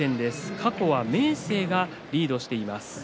過去は明生がリードしています。